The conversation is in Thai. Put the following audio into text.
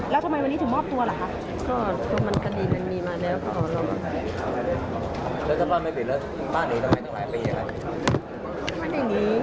เราได้เอาไว้มรรณาภัณฑ์